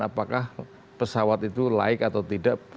apakah pesawat itu laik atau tidak